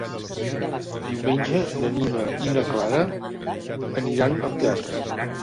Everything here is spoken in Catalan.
Diumenge na Nina i na Clara aniran al teatre.